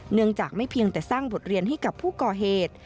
เนื่องจากไม่เพียงแต่สร้างบทเรียนให้กับผู้ก่อเหตุ